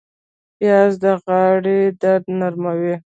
پیاز د غاړې درد نرموي